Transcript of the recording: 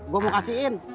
gue mau kasihin